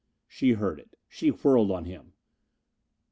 She heard it. She whirled on him.